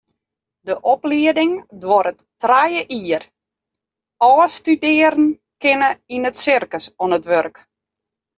De oplieding duorret trije jier, ôfstudearren kinne yn it sirkus oan it wurk.